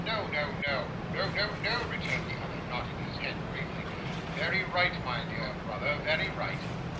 'No, no, no,' returned the other, nodding his head gravely. 'Very right, my dear brother, very right.